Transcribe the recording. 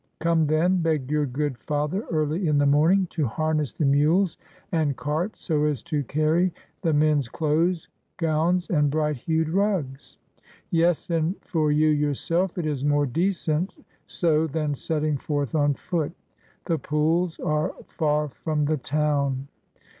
Come, then, beg your good father early in the morning to harness the mules and cart, so as to carry the men's clothes, gowns, and bright hued rugs. Yes, and for you yourself it is more decent so than setting forth on foot ; the pools are far from the town."